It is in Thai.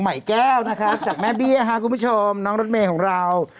ใหม่แก้วจากแม่เบี้ยคุณผู้ชมน้องรถเมศของเรา